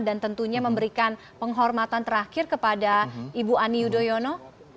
dan tentunya memberikan penghormatan terakhir kepada ibu ani yudhoyono